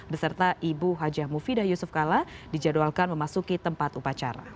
beserta ibu hajah mufidah yusuf kala dijadwalkan memasuki tempat upacara